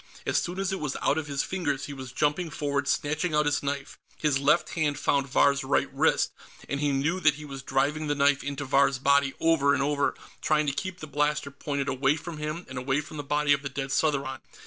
As soon as it was out of his fingers, he was jumping forward, snatching out his knife. His left hand found Vahr's right wrist, and he knew that he was driving the knife into Vahr's body, over and over, trying to keep the blaster pointed away from him and away from the body of the dead Southron.